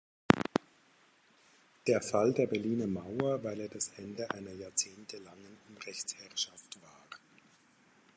Der Fall der Berliner Mauer, weil er das Ende einer jahrzehntelangen Unrechtsherrschaft war.